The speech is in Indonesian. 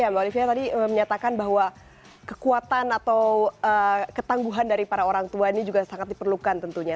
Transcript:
mbak olivia tadi menyatakan bahwa kekuatan atau ketangguhan dari para orang tua ini juga sangat diperlukan tentunya